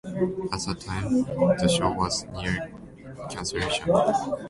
At that time, the show was near cancellation.